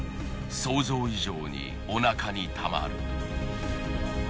想像以上におなかにたまる。